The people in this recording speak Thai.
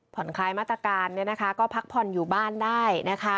ผ่อนคลายมาตรการเนี่ยนะคะก็พักผ่อนอยู่บ้านได้นะคะ